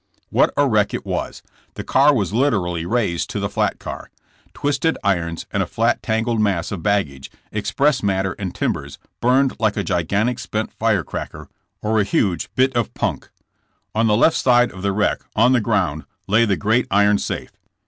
What a wreck it was! The car was literally razed to the flat car. Twisted irons and a flat, tan gled mass of baggage, express matter and timbers, burned like a gigantic spent fire cracker or a huge bit of punk." On the left side of the wreck, on the ground, lay the great iron safe.